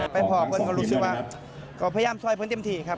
ไปพอเพื่อนก็รู้สึกว่าก็พยายามช่วยเพื่อนเต็มทีครับ